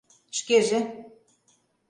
Шкеже.